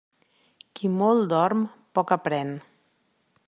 Qui molt dorm, poc aprén.